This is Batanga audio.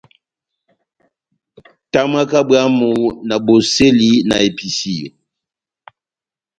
Tamwaka bwámu na bosɛli na episiyo.